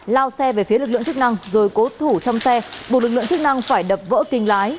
lao xe về phía lực lượng chức năng rồi cố thủ trong xe buộc lực lượng chức năng phải đập vỡ kinh lái